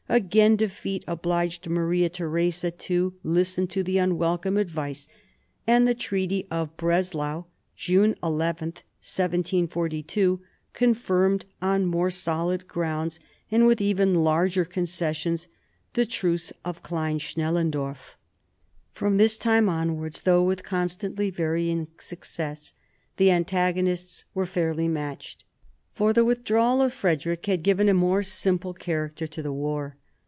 Again defeat obliged Maria Theresa to listen to the unwelcome advice, and the Treaty of Breslau (June 11, 1742) confirmed on more solid grounds, and with even larger concessions, the truce of Klein Schnellendorf. From this time onwards, though with constantly vary ing success, the antagonists were fairly matched. For the withdrawal of Frederick had given a more simple character to the war.